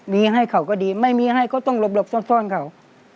มีให้เขาก็ดีไม่มีให้ก็ต้องหลบซ่อนเขา